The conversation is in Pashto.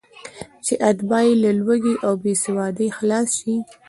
چې اتباع یې له لوږې او بېسوادۍ خلاص شي.